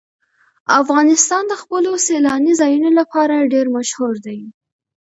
افغانستان د خپلو سیلاني ځایونو لپاره ډېر مشهور دی.